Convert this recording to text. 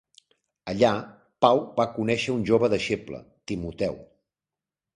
Allà Pau va conèixer un jove deixeble, Timoteu.